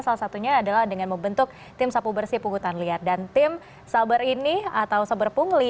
salah satunya adalah dengan membentuk tim sapu bersih pungutan liar dan tim saber ini atau saber pungli